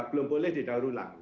belum boleh didalur ulang gitu